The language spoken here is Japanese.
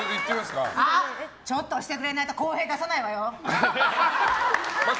ちょっと押してくれないと洸平、出さないわよ！